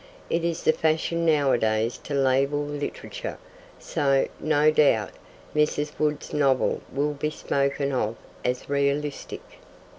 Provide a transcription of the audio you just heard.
It is the fashion nowadays to label literature, so, no doubt, Mrs. Woods's novel will be spoken of as 'realistic.'